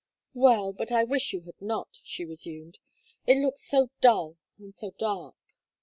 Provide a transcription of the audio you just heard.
"Well, but I wish you had not," she resumed, "it looks so dull and so dark."